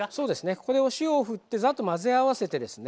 ここでお塩をふってザッと混ぜ合わせてですね